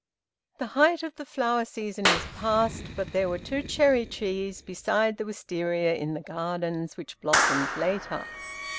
The height of the flower season was past, but there were two cherry trees, besides the Wistaria in the gardens, which blossomed later.